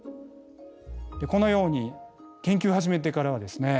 このように研究を始めてからはですね